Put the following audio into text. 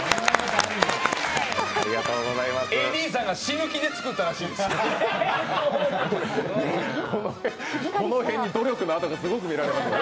ＡＤさんが死ぬ気で作ったらしいですよ。